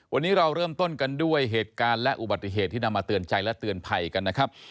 วันนี้เราเริ่มต้นกันด้วยเหตุการณ์และอุบัติเหตุที่นำมาเตือนใจและเตือนภัยกันนะครับ